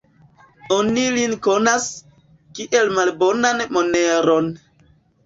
Oni lin konas, kiel malbonan moneron.